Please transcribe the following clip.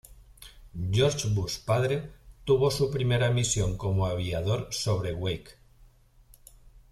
George Bush padre tuvo su primera misión como aviador sobre Wake.